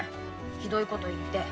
ひどいこと言って。